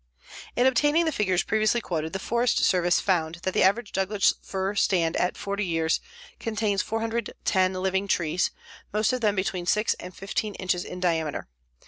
In obtaining the figures previously quoted the Forest Service found that the average Douglas fir stand at 40 years contains 410 living trees, most of them between 6 and 15 inches in diameter.